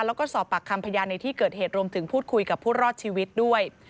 แล้วก็สอบปากคำพยานในที่เกิดเหตุรวมถึงพูดคุยกับผู้รอดชีวิตด้วย